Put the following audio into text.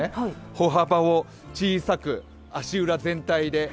歩幅を小さく、足裏全体で。